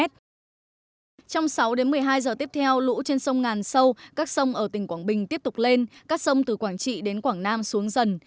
trong sáu đến một mươi hai giờ tiếp theo lũ trên sông ngàn sâu các sông ở tỉnh quảng bình tiếp tục lên các sông từ quảng trị đến quảng nam xuống dần